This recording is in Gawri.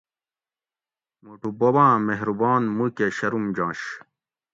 موٹو بوباں مھربان موکہ شرم جوش